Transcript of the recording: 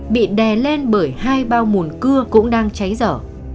bị đè lên bởi hai bao mùn cưa cũng đang cháy dở